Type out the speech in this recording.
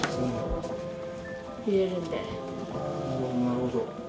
なるほどなるほど。